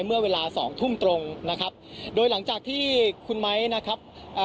เมื่อเวลาสองทุ่มตรงนะครับโดยหลังจากที่คุณไม้นะครับเอ่อ